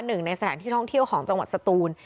หนึ่งในสถานที่ท่องเที่ยวของจังหวัดสตูน